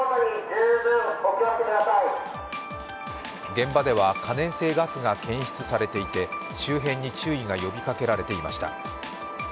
現場では可燃性ガスが検出されていて周辺に注意が呼びかけられていました。